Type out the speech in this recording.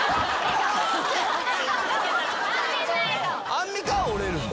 アンミカは折れるんだ。